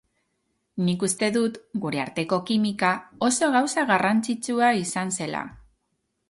Nik uste dut gure arteko kimika oso gauza garrantzitsua izan zela.